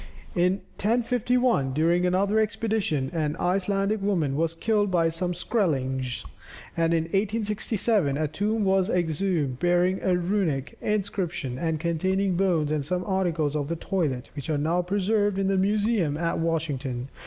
In 1051, during another expedition, an Icelandic woman was killed by some Skrellings, and in 1867, a tomb was exhumed, bearing a runic inscription, and containing bones, and some articles of the toilet, which are now preserved in the museum at Washington.